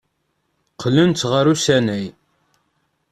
Qqlent ɣer usanay.